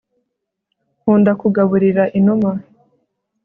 nkunda kugaburira inuma